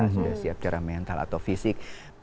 sudah siap secara mental atau fisik